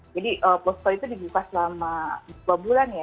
jadi plus sepuluh itu dibuka selama dua bulan ya